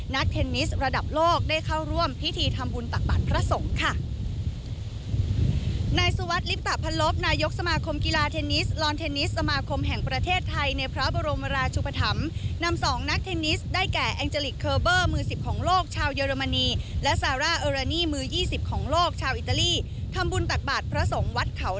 เทนนิสระดับโลกได้เข้าร่วมพิธีทำบุญตักบาทพระสงฆ์ค่ะ